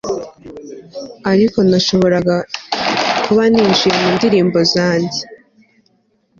ariko, nashoboraga kuba ninjiye mu ndirimbo zanjye